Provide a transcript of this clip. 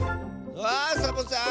あサボさん